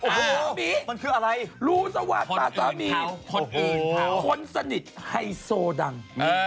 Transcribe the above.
โอ้โหมันคืออะไรรู้สวาดตาสามีคนอื่นคนสนิทไฮโซดัง